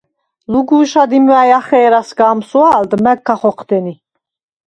ლუგუ̄შად იმუ̂ა̄̈ჲ ახე̄რა სგა ამსუა̄ლდ, მა̄გ ქახოჴდენი!